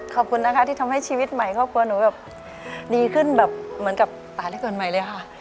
ขอบคุณนะคะที่ทำให้ชีวิตใหม่ครอบครัวหนูแบบดีขึ้นแบบเหมือนกับตายได้เกิดใหม่เลยค่ะ